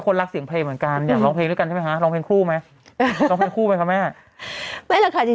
หนูมีแฟนหรือยังลูกอ้าวมีแรงหนูไปนั่งน่าต่อไป